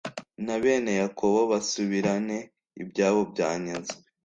na bene yakobo basubirane ibyabo byanyazwe!